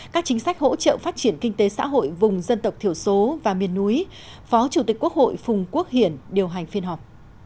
các chính sách hỗ trợ phát triển kinh tế xã hội vùng dân tộc thiểu số và miền núi phó chủ tịch quốc hội phùng quốc hiển điều hành phiên họp